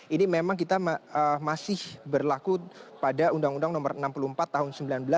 ini memang kita masih berlaku pada undang undang nomor enam puluh empat tahun seribu sembilan ratus sembilan puluh